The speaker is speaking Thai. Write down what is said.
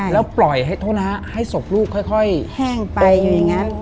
แล้วปล่อยให้โทษนะฮะให้ศพลูกค่อยแห้งไปอยู่อย่างนั้น